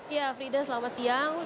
ya frida selamat siang